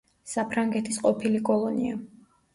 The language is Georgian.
საფრანგეთის ყოფილი კოლონია.